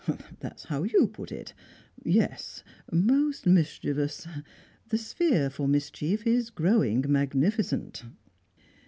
"That's how you put it. Yes, most mischievous. The sphere for mischief is growing magnificent."